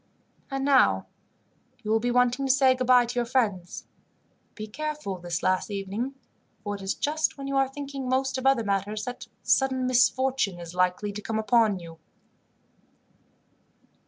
"And now, you will be wanting to say goodbye to your friends. Be careful this last evening, for it is just when you are thinking most of other matters, that sudden misfortune is likely to come upon you."